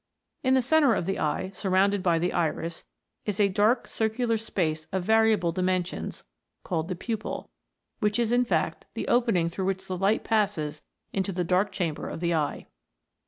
In the centre of the eye, surrounded by the iris, is a dark circular space of variable dimensions, called the pupil, which is in fact the opening through which light passes into the dark chamber of the eye.